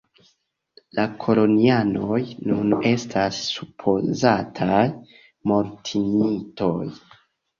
La kolonianoj nun estas supozataj mortintoj.